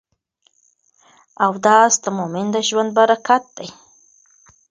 اودس د مؤمن د ژوند برکت دی.